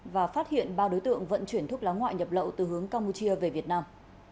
và phát hiện ba đối tượng vận chuyển thuốc lá ngoại nhập lậu từ hướng campuchia về việt nam